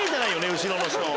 後ろの人。